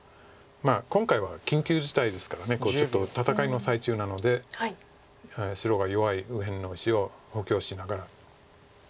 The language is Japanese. まあ今回は緊急事態ですからちょっと戦いの最中なので白が弱い右辺の石を補強しながら。